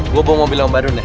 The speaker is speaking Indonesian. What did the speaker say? gue bawa mobil yang baru nih